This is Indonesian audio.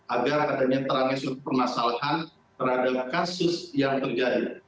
agar adanya terang kesel permasalahan terhadap kasus yang terjadi